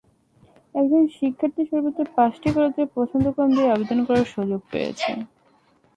একজন শিক্ষার্থী সর্বোচ্চ পাঁচটি কলেজের পছন্দক্রম দিয়ে আবেদন করার সুযোগ পেয়েছে।